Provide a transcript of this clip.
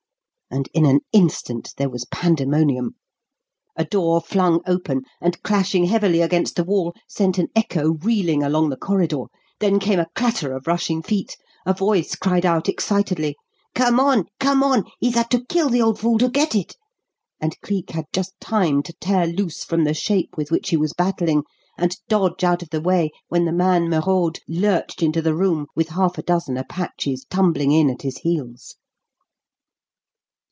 And in an instant there was pandemonium. A door flung open, and clashing heavily against the wall, sent an echo reeling along the corridor; then came a clatter of rushing feet, a voice cried out excitedly: "Come on! come on! He's had to kill the old fool to get it!" and Cleek had just time to tear loose from the shape with which he was battling, and dodge out of the way when the man Merode lurched into the room, with half a dozen Apaches tumbling in at his heels.